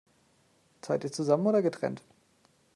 Zahlt ihr zusammen oder getrennt?